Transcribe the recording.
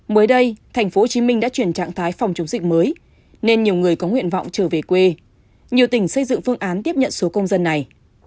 mới đây thành phố hồ chí minh đã chuyển trạng thái phòng chống dịch mới nên nhiều người có nguyện vọng trở về quê nhiều tỉnh xây dựng phương án tiếp nhận số công dân này